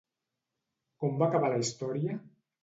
Com va acabar la història?